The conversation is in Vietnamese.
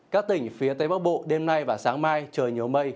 các tỉnh phía tây bắc bộ đêm nay và sáng mai trời nhiều mây